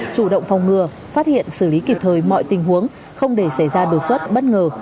chủ động phòng ngừa phát hiện xử lý kịp thời mọi tình huống không để xảy ra đột xuất bất ngờ